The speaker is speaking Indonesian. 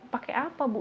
pakai apa bu